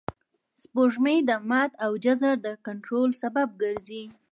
سپوږمۍ د مد او جزر د کنټرول سبب ګرځي